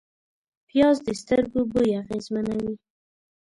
پیاز د سترګو بوی اغېزمنوي